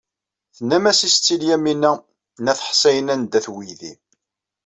Tennam-as i Setti Lyamina n At Ḥsayen anda-t weydi.